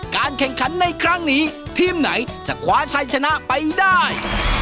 ฉันในครั้งนี้ทีมไหนจะคว้าชัยชนะไปได้